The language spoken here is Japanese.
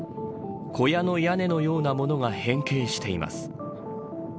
小屋の屋根のようなものが変形しています。